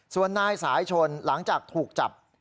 ส่วนนายสายชนหลังจากถูกจับ